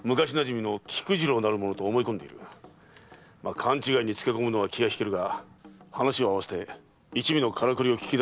勘違いにつけ込むのは気がひけるが話を合わせて一味のカラクリを聞き出すつもりだ。